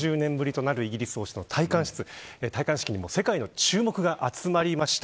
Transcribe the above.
７０年ぶりとなるイギリス王室の戴冠式に世界の注目が集まりました。